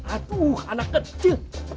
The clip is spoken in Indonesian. atuh anak kecil